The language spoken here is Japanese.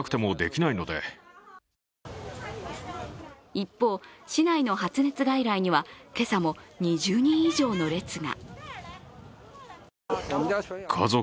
一方、市内の発熱外来には今朝も２０人以上の列が。